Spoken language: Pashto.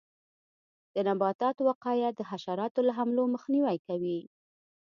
د نباتاتو وقایه د حشراتو له حملو مخنیوی کوي.